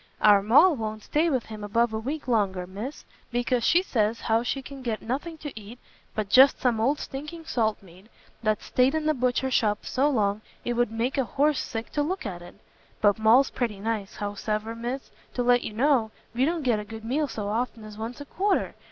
"Our Moll won't stay with him above a week longer, Miss, because she says how she can get nothing to eat, but just some old stinking salt meat, that's stayed in the butcher's shop so long, it would make a horse sick to look at it. But Moll's pretty nice; howsever, Miss, to let you know, we don't get a good meal so often as once a quarter!